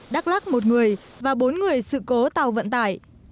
đắk lắc một người và bốn người sự cố tàu vận tải